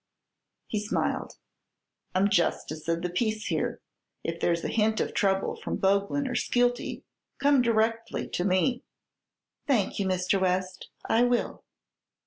He smiled. "I'm justice of the peace here. If there's a hint of trouble from Boglin or Skeelty, come directly to me." "Thank you, Mr. West. I will."